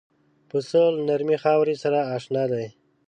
پسه له نرمې خاورې سره اشنا دی.